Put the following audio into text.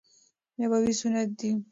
نبوي سنت دي.